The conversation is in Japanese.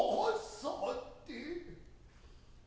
さて。